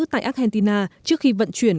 tại argentina trước khi vận chuyển